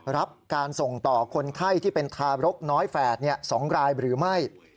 รับการส่งต่อคนไข้ที่เป็นทารกน้อยแฝด๒รายหรือไม่